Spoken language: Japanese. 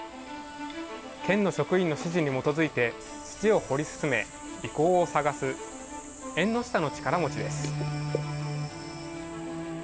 県の職員の指示に基づいて土を掘り進め遺構を探す縁の下の力持ちです。